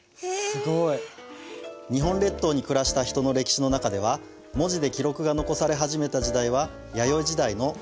すごい！日本列島に暮らした人の歴史の中では文字で記録が残され始めた時代は弥生時代の中頃です。